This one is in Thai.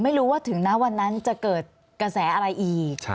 ไม่รู้ว่าถึงนะวันนั้นจะเกิดกระแสอะไรอีก